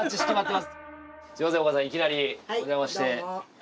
すみません、お母さんいきなりお邪魔して。